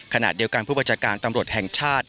ขณะเดียวกันผู้บัญชาการตำรวจแห่งชาติ